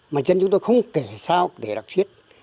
mà dân chúng tôi không kể sao để đọc suyết